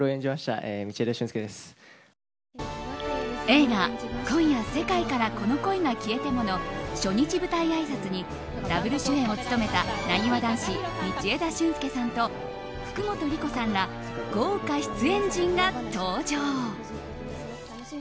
映画「今夜、世界からこの恋が消えても」の初日舞台あいさつにダブル主演を務めたなにわ男子、道枝駿佑さんと福本莉子さんら豪華出演陣が登場。